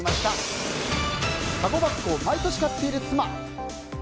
カゴバッグを毎年買っている妻。